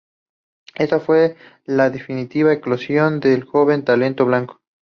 Esta fue la definitiva eclosión del joven talento blanco.